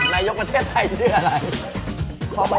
นายกประเทศไทยชื่ออะไร